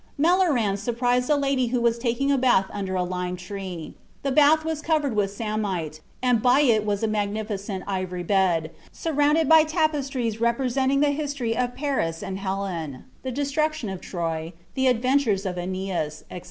Meleranz surprised a lady who was taking a bath under a lime tree; the bath was covered with samite, and by it was a magnificent ivory bed, surrounded by tapestries representing the history of Paris and Helen, the destruction of Troy, the adventures of Æneas, etc.